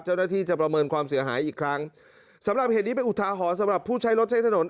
เจ้าหน้าที่จะประเมินความเสียหายอีกครั้งสำหรับเหตุนี้เป็นอุทาหรณ์สำหรับผู้ใช้รถใช้ถนน